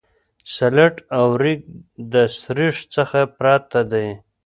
سلټ او ریګ د سریښ څخه پرته دي